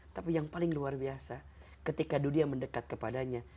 tapi yang paling luar biasa ketika dunia mendekat kepadanya